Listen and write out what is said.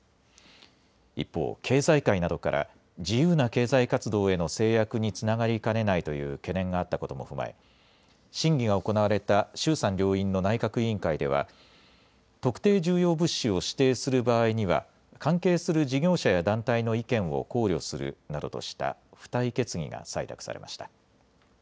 一方、経済界などから自由な経済活動への制約につながりかねないという懸念があったことも踏まえ審議が行われた衆参両院の内閣委員会では特定重要物資を指定する場合には関係する事業者や団体の意見を考慮するなどとした付帯決議が採択されました。